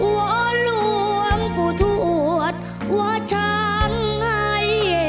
ว่าล่วงผู้ทวดว่าช่างไห้